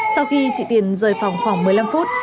sau khi chị tiền rời phòng khoảng một mươi năm phút